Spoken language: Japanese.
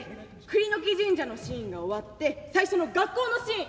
栗の木神社のシーンが終わって最初の学校のシーン。